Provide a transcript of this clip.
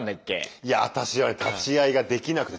いやあたしは立ち会いができなくて。